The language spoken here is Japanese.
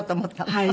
はい。